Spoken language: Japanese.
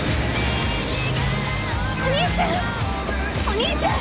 お兄ちゃん！